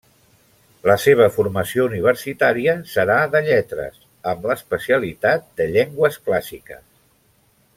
La seva formació universitària serà de lletres, amb l'especialitat de llengües clàssiques.